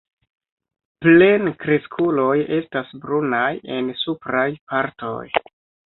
Plenkreskuloj estas brunaj en supraj partoj.